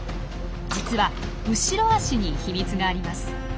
実は後ろ足に秘密があります。